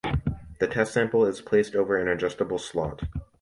The test sample is placed over an adjustable slot.